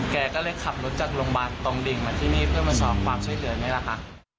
แกก็เลยขับรถจากโรงพยาบาลตรงดิ่งมาที่นี่เพื่อมาสอบความช่วยเหลือนี่แหละค่ะ